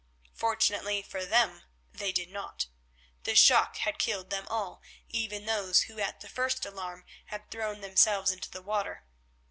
Fortunately for them they did not, the shock had killed them all, even those who at the first alarm had thrown themselves into the water.